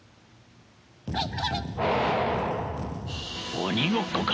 鬼ごっこか。